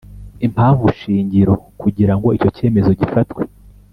impamvu shingiro kugira ngo icyo cyemezo gifatwe